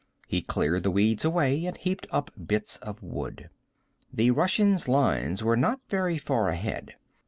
He cleared the weeds away and heaped up bits of wood. The Russians' lines were not very far ahead.